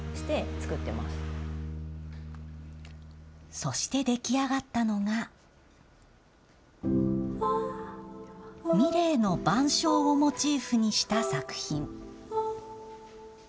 そして、出来上がったのが、ミレーの晩鐘をモチーフにした作品。